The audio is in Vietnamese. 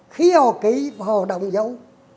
khi họ ký họ đồng dấu